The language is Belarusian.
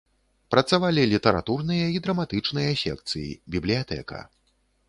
Працавалі літаратурныя і драматычныя секцыі, бібліятэка.